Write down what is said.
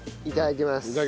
いただきます。